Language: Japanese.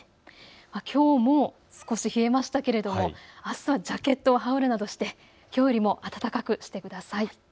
きょうも少し冷えましたけどもあすはジャケットなどを羽織るなどしてきょうより暖かくしてください。